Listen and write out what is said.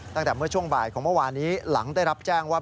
ตั้งแต่เมื่อช่วงบ่ายของเมื่อวานนี้หลังได้รับแจ้งว่า